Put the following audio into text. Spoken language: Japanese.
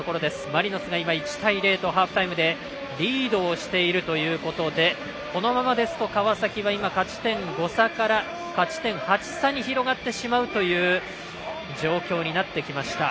マリノスが今、１対０とハーフタイムでリードしているということでこのままですと川崎は今の勝ち点５差から８差に広がってしまうという状況になってきました。